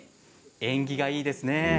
縁起がいいですね。